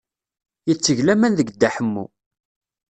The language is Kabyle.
Yetteg laman deg Dda Ḥemmu.